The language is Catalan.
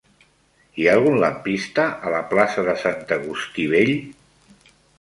Hi ha algun lampista a la plaça de Sant Agustí Vell?